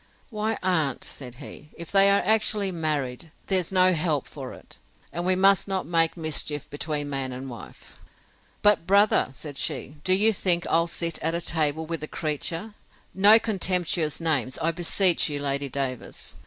Why, aunt, said he, if they are actually married, there's no help for it; and we must not make mischief between man and wife. But brother, said she, do you think I'll sit at table with the creature? No contemptuous names, I beseech you, Lady Davers!